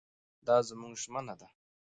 دا زموږ ژمنه ده.